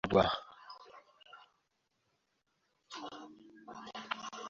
byagusfasha kuguma uri umwalimu w’indashyirwa